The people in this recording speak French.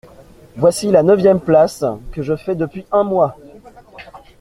Voici la neuvième place que je fais depuis un mois.